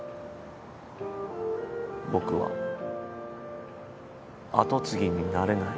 僕は跡継ぎになれない。